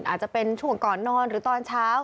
อาจจะเป็นช่วงก่อนนอนหรือตอนเช้า